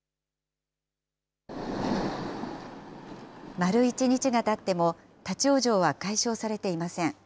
丸１日がたっても立往生は解消されていません。